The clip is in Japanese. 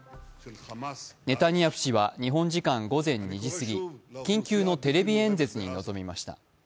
ネタニヤフ氏は日本時間午前２時すぎ緊急のテレビ演説に臨みました。